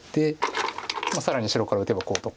更に白から打てばこうとかこうとか。